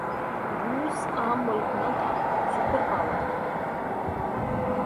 روس عام ملک نہ تھا، سپر پاور تھا۔